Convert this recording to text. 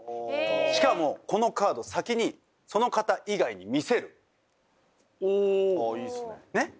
しかもこのカードを先にその方以外に見せる。